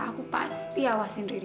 aku pasti awasin riri